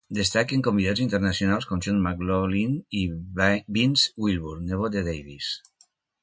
Destaquen convidats internacionals com John McLaughlin i Vince Wilburn, nebot de Davis.